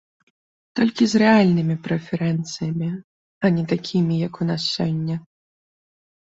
Толькі з рэальнымі прэферэнцыямі, а не такімі, як у нас сёння.